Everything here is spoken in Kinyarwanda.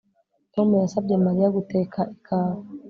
Tom yasabye Mariya guteka ikawa